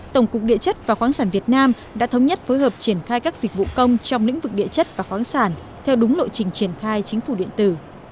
tổng cục địa chất và khoáng sản việt nam đã thống nhất phối hợp triển khai các dịch vụ công trong lĩnh vực địa chất và khoáng sản theo đúng lộ trình triển khai chính phủ điện tử